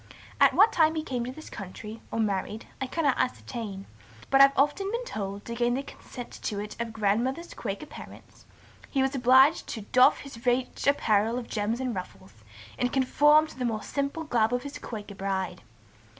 At what time he came to this country, or married, I cannot ascertain, but have often been told, to gain the consent to it of grandmother's Quaker parents, he was obliged to doff his rich apparel of gems and ruffles, and conform to the more simple garb of his Quaker bride.